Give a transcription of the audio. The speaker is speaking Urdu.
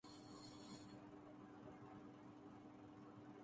اور وہ ایسا کر سکتے تھے۔